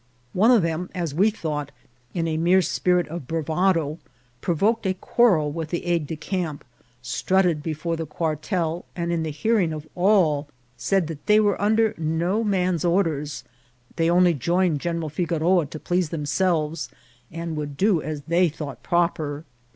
One of them, as we thought, in a mere spirit of bravado, provoked a quarrel with the aiddecamp, strutted before the quartel, and in the hearing of all said that they were under no man's or ders ; they only joined General Figoroa to please them selves, and would do as they thought proper.